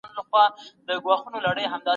تېروتنې به اصلاح سي.